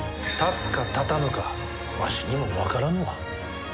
立つか立たぬかわしにも分からぬわ。